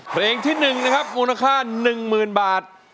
เพลงที่๑นะครับมูลค่า๑๐๐๐บาท